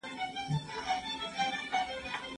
هغه لېوني ټوله غزلزار مات کړئ دئ